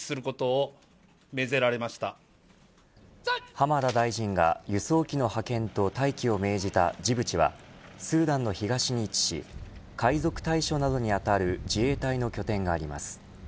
浜田大臣が輸送機の派遣と待機を命じたジブチはスーダンの東に位置し海賊対処などに当たる自衛隊の拠点があります。